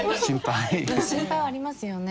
心配はありますよね